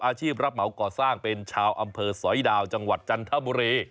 อาชีพรับเหมาก่อสร้างเป็นชาวอำเภอสอยดาวจังหวัดจันทบุรี